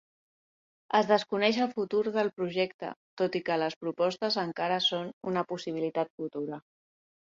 Es desconeix el futur del projecte tot i que les propostes encara són una possibilitat futura.